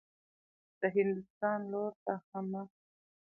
د هندوستان لور ته حمه.